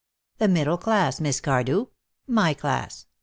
The middle class, Miss Cardew. My class.